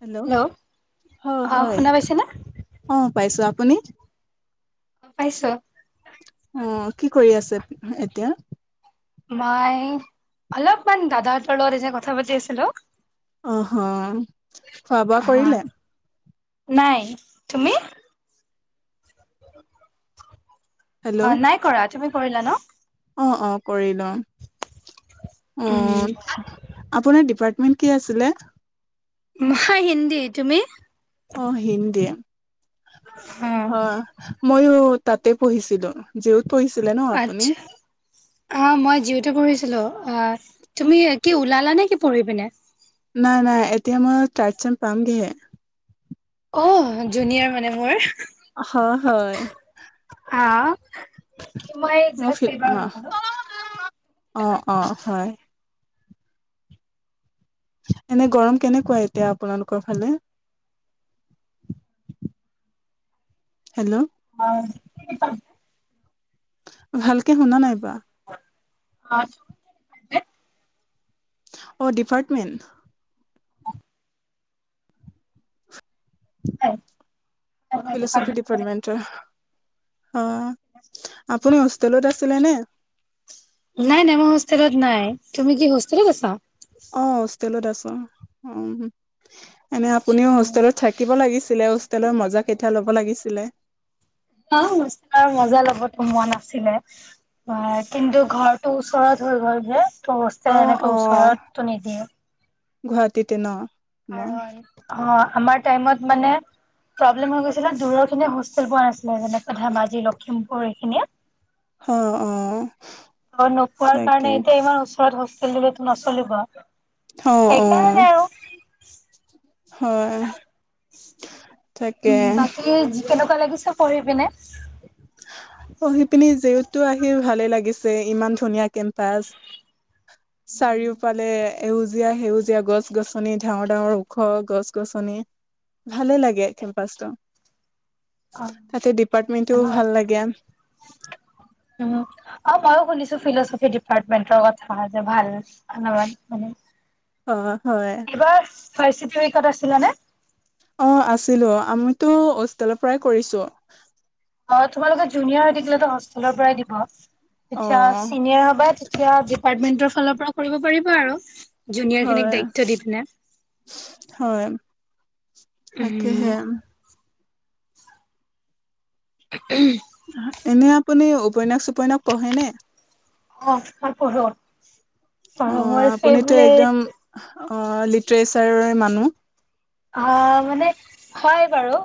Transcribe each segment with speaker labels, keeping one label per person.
Speaker 1: Hello, হয়।
Speaker 2: অ
Speaker 1: হয়।
Speaker 2: শুনা পাইছেনে?
Speaker 1: অ, পাইছো আপুনি
Speaker 2: অ পাইছো।
Speaker 1: অঁ কি কৰি আছে এতিয়া?
Speaker 2: মই অলপমান দাদাহতৰ লগত এনেই কথা পাতি আছিলো।
Speaker 1: অঁহ'
Speaker 2: হ নাই তুমি? অ নাই কৰা, তুমি কৰিলা ন?
Speaker 1: অঁ অঁ কৰিলো, অঁ। আপোনাৰ ডিপাৰ্টমেন্ট কি আছিলে?
Speaker 2: উম' হয় হিন্দী, তুমি?
Speaker 1: অঁ হিন্দী,
Speaker 2: অ
Speaker 1: হয় ময়ো তাতে পঢ়িছিলো। যিওত পহিছিলে ন আপুনি?
Speaker 2: অ‍ঁ মই জিউতে পঢ়িছিলো অঁ, তুমি কি ওলালা নে কি পঢ়ি পিনে?
Speaker 1: নাই নাই এতিয়া মই ট্ৰাইগচন পামগেহে।
Speaker 2: অঁ জুনিয়াৰ মানে মোৰ।
Speaker 1: হ হয়।
Speaker 2: অঁ কি মই এই জাষ্ট এইবাৰ ওলালো।
Speaker 1: অঁ অঁ হয়। এনেই গৰম কেনেকুৱা এতিয়া আপোনালোকৰ ফালে? হেল্লৌ'
Speaker 2: অঁ'
Speaker 1: ভালকে শুনা নাই।
Speaker 2: অঁ'
Speaker 1: অ' ডিপাৰ্টমেণ্ট। ফিলচফি
Speaker 2: অ
Speaker 1: ডিপাৰ্টমেণ্টৰ। অঁ আপুনি হোষ্টেলত আছিলে নে?
Speaker 2: নাই নাই মই হোষ্টেলত নাই, তুমি কি হোষ্টেলত আছা?
Speaker 1: অঁ হোষ্টেলত আছো অঁ, এনেই আপুনিও হোষ্টেলত থা- কিব লাগিছিলে হোষ্টেলৰ মজা কেইতা ল'ব লাগিছিলে।
Speaker 2: অঁ হোষ্টেলৰ মজা ল'ব টো মন আছিলে। হয়, কিন্তু ঘৰটো ওচৰত হৈ গ'ল যে, ত হোষ্টেলত
Speaker 1: অ'
Speaker 2: এনেকে
Speaker 1: অ'
Speaker 2: ওচৰতটো নিদিয়ে।
Speaker 1: গুৱাহাটীতে ন।
Speaker 2: কাৰণ, অঁ আমাৰ টাইমত মানে- প্ৰব্লেম হৈ গৈছিলে দূৰৰ খিনিয়ে হোষ্টেল পোৱা নাছিলে, যেনেকৈ ধেমাজি লখিমপুৰ এখিনিয়ে।
Speaker 1: অঁ অঁ।
Speaker 2: ত' নোপোৱাৰ কাৰণে এতিয়া ইমান ওচৰত হোষ্টেল দিলেতো নচলিব।
Speaker 1: অঁ অঁ।
Speaker 2: সেইকাৰণে আৰু
Speaker 1: হয়, তাকে।
Speaker 2: বাকী যি কেনেকুৱা লাগিছে পঢ়ি পিনে?
Speaker 1: পঢ়িপিনি জিউতো আহি ভালে লাগিছে ইমান ধুনীয়া কেম্পাচ। চাৰিওফালে- এউজীয়া সেউজীয়া গছ গছনি ডাঙৰ ডাঙৰ ওখ গছ গছনি। ভালেই লাগে কেম্পাচটো।
Speaker 2: অঁ'
Speaker 1: তাতে ডিপাৰ্টমেন্টটোও
Speaker 2: আন
Speaker 1: ভাল লাগে।
Speaker 2: উম'। অঁ ময়ো শুনিছো ফিলচফি ডিপাৰ্টমেন্টৰ কথা যে ভাল, সেনকা মানে।
Speaker 1: অঁ হয়।
Speaker 2: এইবাৰ হয় চি উইকত আছিলা নে?
Speaker 1: অ আছিলো। আমিতো হোষ্টেলৰ পৰাই কৰিছোঁ।
Speaker 2: অ তোমালোকে জুনিয়ৰ হৈ থাকিলেতো হোষ্টেলৰ পৰাই দিব
Speaker 1: অ
Speaker 2: তেতিয়া চিনিয়ৰ হবা তে তিয়া ডিপাৰ্টমেন্টৰ ফালৰ পৰা কৰিব পাৰিবা আৰু। জুনিয়ৰ খিনিক
Speaker 1: হয়
Speaker 2: দায়িত্ব দি পিনে।
Speaker 1: হয় তাকেহে।
Speaker 2: উম।
Speaker 1: এনে আপুনি উপন্যাস-চুপন্যাস পঢ়ে নে?
Speaker 2: অ ত পঢ়ো,
Speaker 1: অ
Speaker 2: পঢ়ো। মোৰ
Speaker 1: আপুনিতো একদম
Speaker 2: ফেভৰেট
Speaker 1: অ লিট্ৰেচাৰৰে মানুহ।
Speaker 2: হহ মানে, হয় বাৰু।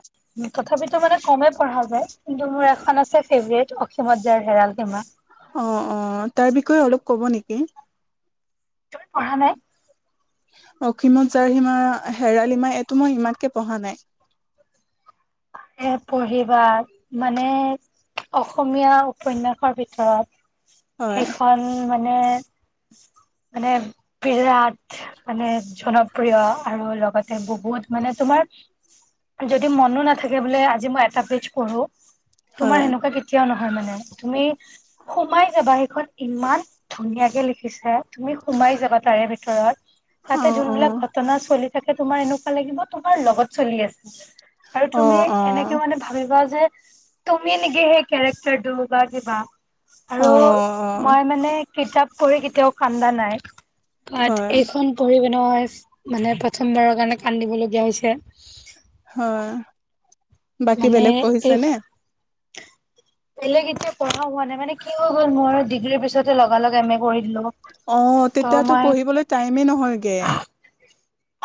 Speaker 2: তথাপিতো মানে কমে পঢ়া যায় কিন্তু মোৰ এখন আছে ফেভৰেট, অসীমত যাৰ হেৰাল সীমা।
Speaker 1: অ অ, তাৰ বিষয়ে অলপ ক'ব নেকি?
Speaker 2: তুমি পঢ়া নাই?
Speaker 1: অসীমত জাৰ সীমা হেৰাল সীমা এইটো মই ইমানকে পঢ়া নাই।
Speaker 2: এ পঢ়িবা মানে অসমীয়া উপন্যাসৰ ভিতৰত
Speaker 1: হয়
Speaker 2: সেইখন মানে মানে বিৰাট মানে জনপ্ৰিয় আৰু লগত এ বহুত মানে তোমাৰ যদি মনো না থাকে বোলে আজি মই এটা পেজ পঢ়ো,
Speaker 1: হয়
Speaker 2: তোমাৰ এনেকুৱা কেতিয়াও নহয় মানে। তুমি সোমাই যাবা সেইখন ইমান ধুনীয়াকে লিখিছে, তুমি সোমাই যাবা তাৰে ভিতৰত।
Speaker 1: অ
Speaker 2: তাতে
Speaker 1: অ
Speaker 2: যোনবিলাক ঘটনা চলি থাকে তোমাৰ এনেকুৱা লাগিব তোমাৰ লগত চলি আছে। আৰু
Speaker 1: অ
Speaker 2: তুমি
Speaker 1: অ
Speaker 2: এনেকে মানে ভাবিবা যে তুমি নিকি সেই কেৰেক্টাৰটো বা কিবা আৰু
Speaker 1: অ অ
Speaker 2: মই মানে কিতাপ পঢ়ি কেতিয়াও কান্দা নাই। বাত
Speaker 1: হয়
Speaker 2: এইখন পঢ়ি পেন'ইছ মানে প্ৰথমবাৰৰ কাৰণে কান্দিবলগীয়া হৈছে।
Speaker 1: হহ, বাকী
Speaker 2: মানে
Speaker 1: বেলেগ পঢ়িছে
Speaker 2: এই
Speaker 1: নে?
Speaker 2: [inaudible] বেলেগ এতিয়া পঢ়া হোৱা নাই মানে কি হৈ গ'ল মোৰ ডিগ্ৰীৰ পিছতে লগা লগে এম এ কৰি দিলো।
Speaker 1: অ
Speaker 2: ত'
Speaker 1: তেতিয়াতো
Speaker 2: মই
Speaker 1: পঢ়িবলৈ টাইমে নহয়গে।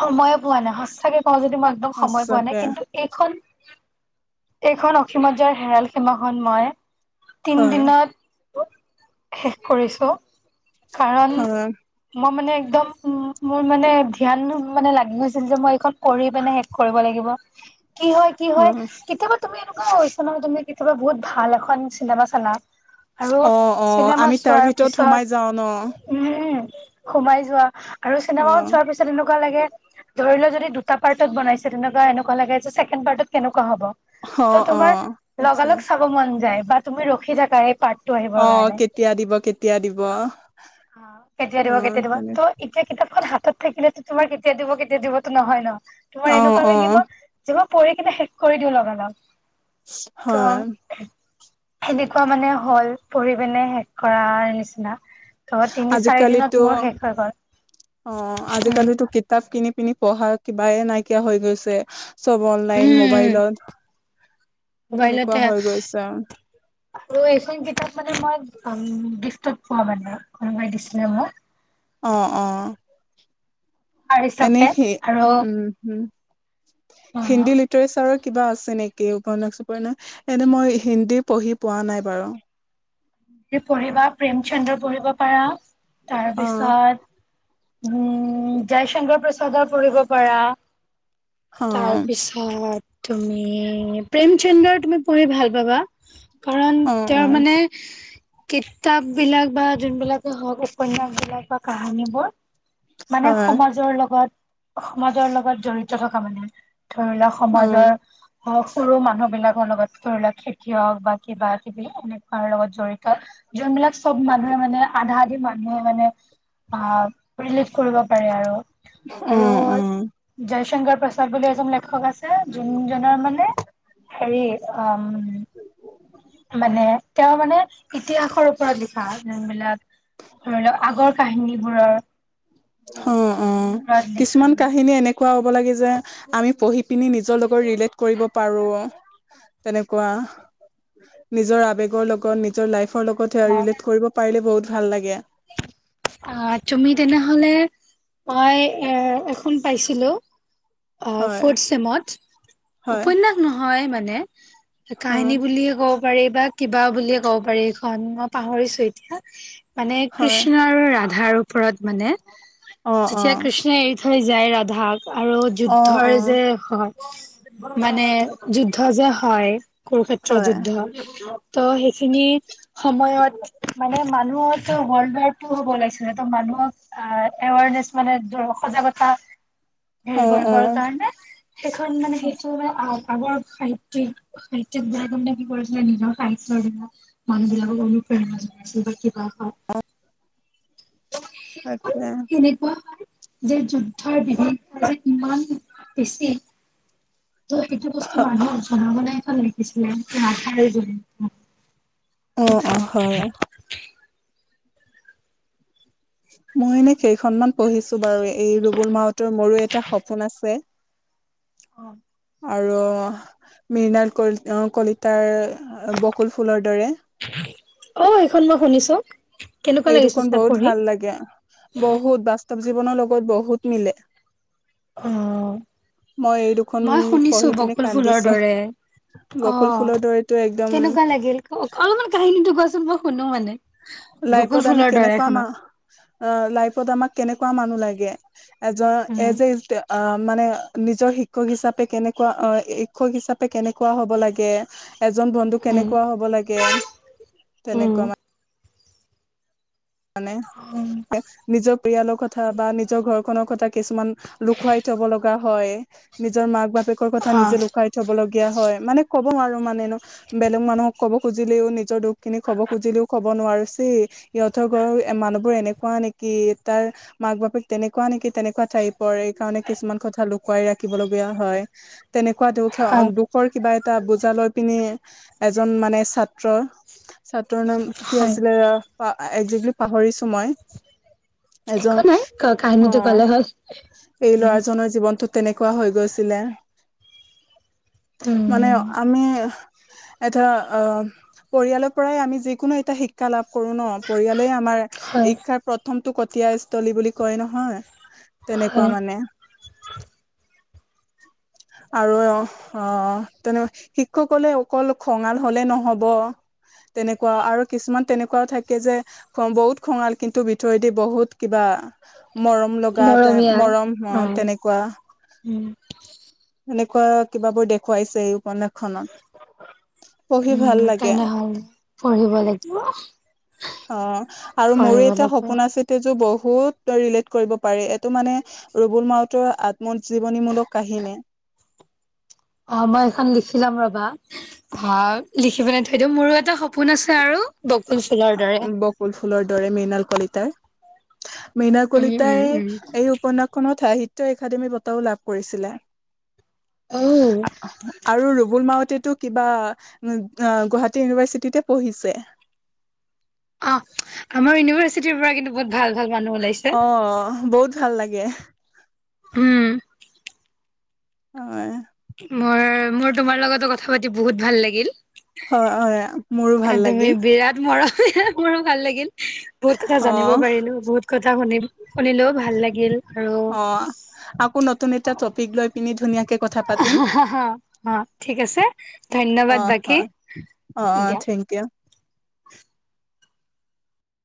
Speaker 2: সময়ে পোৱা নাই সঁচাকে কওঁ যদি মই একদম সময়ে পোৱা নাই
Speaker 1: সঁচাকে
Speaker 2: কিন্তু এইখন, এইখন অসীমত যাৰ হেৰাল সীমাখন মই তিন
Speaker 1: হয়
Speaker 2: দিনত শেষ কৰিছো কাৰণ
Speaker 1: হয়
Speaker 2: মই মানে একদম মোৰ মানে ধ্যান মানে লাগি গৈছিল যে মই এইখন পঢ়ি পিনে শেষ কৰিব লাগিব। কি হয় কি হয় কেতিয়াবা তুমি এনেকুৱা হৈছে নহয় তুমি কেতিয়াবা ভাল এখন চিনেমা চালা আৰু
Speaker 1: অ অ
Speaker 2: চিনেমা
Speaker 1: আমি তাৰ
Speaker 2: চোৱাৰ
Speaker 1: ভিতৰত
Speaker 2: পিছত
Speaker 1: সোমাই যাও ন
Speaker 2: উম উম, সোমাই যোৱা আৰু
Speaker 1: অ
Speaker 2: চিনেমাখন চোৱাৰ পিছত এনে কুৱা লাগে ধৰি লও যদি দুটা পাৰ্টত বনাইছে তেনেকুৱা এনেকুৱা লাগে যে ছেকেণ্ড পাৰ্টত কেনেকুৱা হ'ব?
Speaker 1: অ
Speaker 2: ত'
Speaker 1: অ
Speaker 2: তোমাৰ
Speaker 1: আচ্ছা
Speaker 2: লগালগ চাব মন যায় বা তুমি ৰখি থাকা এই পাৰ্ত টো আহিবৰ
Speaker 1: অ
Speaker 2: কাৰণে।
Speaker 1: কেতিয়া দিব কেতিয়া দিব
Speaker 2: অ, কেতিয়া
Speaker 1: অ
Speaker 2: দিব কেতিয়া দিব?
Speaker 1: তেনে
Speaker 2: ত' এতিয়া কিতাপখন হাতত থাকিলেতো তোমাৰ কেতিয়া দিব কেতিয়া দিবতো নহয় ন? তোমাৰ
Speaker 1: অ
Speaker 2: এনেকুৱা
Speaker 1: অ
Speaker 2: লাগিব যে মই পঢ়ি কিনে শেষ কৰি দিওঁ লগালগ।
Speaker 1: হয়
Speaker 2: ত' সেনেকুৱা মানে হ'ল পঢ়ি পেনে শেষ কৰাৰ নিচিনা। ধৰ তিনি চাৰি
Speaker 1: আজিকালিতো
Speaker 2: দিনত মোৰ শেষ হৈ
Speaker 1: অ
Speaker 2: গল। উম
Speaker 1: আজিকালিতো কিতাপ কিনি পিনি পঢ়া কিবাই নাইকিয়া হৈ গৈছে। চব অনলাইন
Speaker 2: উম উম
Speaker 1: মোবাইলত, তেনেকুৱা
Speaker 2: মোবাইলতে
Speaker 1: হৈ গৈছে অ'।
Speaker 2: আৰু এইখন কিতাপ মানে মই উম' গিফটত পোৱা মানে, কোনোবাই দিছিলে মোক।
Speaker 1: অ' অ'
Speaker 2: উপহাৰ
Speaker 1: এনে
Speaker 2: হিচাপে
Speaker 1: সেই
Speaker 2: আৰু
Speaker 1: উম' উম'। হিন্দী লিটাৰে চাৰত কিবা আছে নেকি উপন্যাস-শপন্যাস? এনেই মই হিন্দী পঢ়ি পোৱা নাই বাৰু।
Speaker 2: পঢ়িবা, প্ৰেম চন্দ্ৰ পঢ়িব পাৰা, তাৰ
Speaker 1: অ
Speaker 2: পিছত উম' জয় শংকৰ প্ৰসাদৰ পৰিব পাৰা,
Speaker 1: অ
Speaker 2: তাৰ পিছত আ তুমি, প্ৰেম চন্দ্ৰ তুমি পঢ়ি ভাল পাবা। কাৰণ
Speaker 1: অ',
Speaker 2: তেওঁ
Speaker 1: অ',
Speaker 2: মানে কিতাপ বিলাক বা যোনবিলাকে হওঁক, উপন্যাস বিলাক বা কাহানীবোৰ মানে
Speaker 1: হয়,
Speaker 2: সমাজৰ লগত, সমাজৰ লগত জড়িত থকা মানে, ধৰি লওক
Speaker 1: অ',
Speaker 2: সমাজৰ হওঁক সৰু মানুহ বিলাকৰ লগত, ধৰি লওক খেতিয়ক বা কিবা-কিবি এনেকুৱাৰ লগত জড়িত যোনবিলাক চব মানুহে মানে আধা-আধি মানুহে মানে আহ ৰিলিজ কৰিব পাৰে আৰু, আৰু
Speaker 1: অ', অ',
Speaker 2: জয় শংকৰ প্ৰসাদ বুলি এজন লেখক আছে। সেই যোনজনৰ মানে হেৰি অ' মানে তেওঁ মানে ইতিহাসৰ ওপৰত লিখা যোনবিলাক ধৰি লওক আগৰ কাহিনী বোৰৰ
Speaker 1: অ' অ' কিছুমান
Speaker 2: লিখা
Speaker 1: কাহিনী এনেক এনেকোৱা হ'ব লাগে যে, আমি পঢ়ি পিনি নিজৰ লগত ৰিলেট কৰিব পাৰোঁ। অ' তেনেকুৱা, নিজৰ আবেগৰ লগত, নিজৰ লাইফৰ লগত। যেতিয়া ৰিলেট কৰিব পাৰিলে, বহুত ভাল লাগে।
Speaker 2: অ' তুমি তেনেহ'লে মই এ এখন পাইছিলোঁ। অ'
Speaker 1: হয়,
Speaker 2: ফৰ্থ চেমত,
Speaker 1: হয়,
Speaker 2: উপন্যাস নহয় মানে।
Speaker 1: হয়,
Speaker 2: কাহিনী বুলিয়ে ক'ব পাৰি বা কিবা বুলিয়ে ক'ব পাৰি এইখন, মই পাহৰিছোঁ এতিয়া। মানে
Speaker 1: হয়,
Speaker 2: কৃষ্ণ আৰু ৰাধাৰ ওপৰত মানে
Speaker 1: অ',
Speaker 2: যেতিয়া
Speaker 1: অ',
Speaker 2: কৃষ্ণই এৰি থৈ যায় ৰাধাক আৰু
Speaker 1: অ',
Speaker 2: যুদ্ধৰ
Speaker 1: অ'।
Speaker 2: যে হয়, মানে যুদ্ধ যে হয়, কুৰুক্ষেত্ৰ
Speaker 1: হয়,
Speaker 2: যুদ্ধ ত' সেইখিনি সময়ত মানে মানুহত হৰণাইক হ'ব লাগে। যিহেতু মানুহক আহ এৱাৰনেচ মানে সজাগতা হেৰি
Speaker 1: অ',
Speaker 2: কৰিব
Speaker 1: অ',
Speaker 2: কাৰণে, সেইখন মানে সেইটো আমাৰ সাহিত্যিক সাহিত্যক বাগাগি খাই না [unintelligible] মানুহ বিলাকক অণুপ্ৰেৰণা যোগাইছিল বা কিবা কাৰণত স্কুল
Speaker 1: তাকে
Speaker 2: এনেকুৱা, যে যুদ্ধৰ বিভিন্ন যে ইমান বেছি। ত' সেইটো বস্তু মানুহক জনাব লাগিব নে কিছুমান আশাৰে গঢ়ি উঠিব।
Speaker 1: অ' অ' হয়। মই এনে কেইখনমান পঢ়িছোঁ বাৰু, এই ৰুবুল মাউতৰ মোৰো এটা সপোন আছে।
Speaker 2: অ'
Speaker 1: আৰু মিৰিণাল কলিতাৰ বকুল ফুলৰ দৰে।
Speaker 2: অ', এইখন মই শুনিছোঁ।
Speaker 1: এই দুখন বহুত ভাল লাগে, বহুত বাস্তৱ জীৱনৰ লগত বহুত মিলে।
Speaker 2: অ',
Speaker 1: মই এই দুখন
Speaker 2: মই শুনিছোঁ
Speaker 1: পঢ়ি পিনে
Speaker 2: বকুল ফু'লৰ
Speaker 1: কান্দিছো
Speaker 2: দৰে।
Speaker 1: বকুল
Speaker 2: অ',
Speaker 1: ফুলৰ দৰেতো একদম
Speaker 2: কেনেকুৱা লাগিল? অলপমান কাহিনীটো কোৱাচোন, মই শুনো মানে। বকুল
Speaker 1: লাইফত আমি
Speaker 2: ফুলৰ দৰে
Speaker 1: কেনেকুৱা মা
Speaker 2: শুনক
Speaker 1: অ', লাইফত আমাক কেনেকুৱা মানুহ লাগে, এজ,
Speaker 2: উম
Speaker 1: এজ এ মানে নিজৰ শিক্ষক হিচাবে কেনেকুৱা, এ শিক্ষক হিচাপে হ'ব কেনেকুৱা লাগে। এজন বন্ধু
Speaker 2: উম
Speaker 1: কেনেকুৱা হ'ব লাগে, তেনেকুৱা
Speaker 2: উম
Speaker 1: মানে। মানে, নিজৰ পৰিয়ালৰ কথা বা নিজৰ ঘৰখনৰ কথা কিছুমান লুকুৱাই থ'ব লগা হয়, নিজৰ মাক, বাপেকৰ কথা
Speaker 2: অ
Speaker 1: নিজে লুকাই থ'ব লগীয়া হয়, মানে ক'ব নোৱাৰোঁ মানে বেলেগ মানুহক ক'ব খুজিলেও নিজৰ দুখ খিনি খ'ব খুজিলেও ক'ব নোৱাৰো ছি সিহঁতৰ ঘৰৰ মানুহবোৰ এনেকুৱা নেকি তাৰ মাক, বাপেক তেনেকুৱা নেকি তেনেকুৱা টাইপৰ, এইকাৰণে কিছুমান কথা লুকুৱাই ৰাখিব লগীয়া হয়। তেনেকুৱা দুখ
Speaker 2: হয়
Speaker 1: দুখৰ কিবা এটা বুজা লৈ পিনি এজন মানে ছাত্ৰ ছাত্ৰৰ নাম কি
Speaker 2: হয়
Speaker 1: আছিলে এক্সেক্টলি পাঁহৰিছো মই এজন,
Speaker 2: একো নাই ক কাহিনীটো
Speaker 1: অ',
Speaker 2: কলে হ'ল
Speaker 1: এই
Speaker 2: উম
Speaker 1: ল'ৰাজনৰ জীৱনটো তেনেকুৱা হৈ গৈছিলে, মানে
Speaker 2: উম
Speaker 1: আমি এটা অ', পৰিয়ালৰ পৰাই আমি যিকোনো এটা শিক্ষা লাভ কৰো ন। পৰিয়ালেই আমাৰ
Speaker 2: হয়
Speaker 1: শিক্ষাৰ প্ৰথমটো কটীয়াস্থলী বুলি কয় নহয়।
Speaker 2: হয়
Speaker 1: তেনেকুৱা মানে।
Speaker 2: [inaudible]
Speaker 1: আৰু অ', তেনেকুৱা শিক্ষকহ'লে অকল খঙাল হ'লে নহ'ব। তেনেকুৱা আৰু কিছুমান তেনেকুৱাও থাকে। থাকে যে বহুত খঙাল, কিন্তু ভিতৰেদি দি বহুত কিবা মৰম লগা তে,
Speaker 2: মৰমীয়া
Speaker 1: মৰম অ',
Speaker 2: হয়
Speaker 1: তেনেকুৱা।
Speaker 2: উম
Speaker 1: এনেকুৱা কিবাবোৰ দেখুৱাইছে এই উপন্যাসখনত, পঢ়ি
Speaker 2: উম
Speaker 1: ভাল লাগে।
Speaker 2: তেনেহলে পঢ়িব লাগিব।
Speaker 1: অ', আৰু মোৰো
Speaker 2: পঢ়িব
Speaker 1: এটা
Speaker 2: লাগিব
Speaker 1: সপোন আছে তেযোৰ বহুত তই ৰিলট কৰিব পাৰি এইটো মানে ৰুবুল মাউতৰ আত্মজীৱনীমূলক কাহিনী।
Speaker 2: অ', মই এখন লিখি ল'ম ৰবা অ', লিখিপেলৈ থৈ দিওঁ মোৰো এটা শ সপোন আছে আৰু বকুল ফুলৰ দৰে।
Speaker 1: বকুল ফুলৰ দৰে মৃণাল কলিতাৰ, মৃণাল
Speaker 2: উম উম
Speaker 1: কলিতাই
Speaker 2: উম
Speaker 1: এই উপন্যাসখনত সাহিত্য একাডেমী বঁটাও লাভ কৰিছিলে।
Speaker 2: অ
Speaker 1: আৰু ৰুবুল মাউতেটো কিবা এ গুৱাহাটী ইউনিভাৰ্চিটিতে পঢ়িছে।
Speaker 2: অ', আমাৰ ইউনিভাৰ্চিটিৰ পৰা কিন্তু বহুত ভাল ভাল মানুহ ওলাইছে।
Speaker 1: অ', বহুত ভাল লাগে।
Speaker 2: উম।
Speaker 1: হয়।
Speaker 2: মই, মোৰ তোমাৰ লগতো কথা পাতি বহুত ভাল লাগিল।
Speaker 1: হয়, হয় মোৰো ভাল
Speaker 2: তুমি
Speaker 1: লাগিল।
Speaker 2: বিৰাট মৰ মোৰো ভাল লাগিল। বহুত কথা
Speaker 1: অ
Speaker 2: জানিব পাৰিলো, বহুত কথা শুনি, শুনিলেও, ভাল লাগিল আৰু
Speaker 1: অ আকৌ নতুন এটা টপিক লৈ পিনি ধুনীয়াকে কথা পাতিম,
Speaker 2: অ ঠিক আছে ধন্যবাদ
Speaker 1: অ',
Speaker 2: বাকী
Speaker 1: হয় অ', অ',
Speaker 2: দিয়া
Speaker 1: থেংক ইউ।